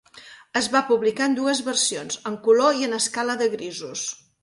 Es va publicar en dues versions: en color i en escala de grisos.